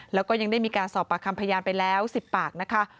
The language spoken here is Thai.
แล้วก็ยังได้มีการสอบปากคำพยานไปแล้ว๑๐ปากนะคะ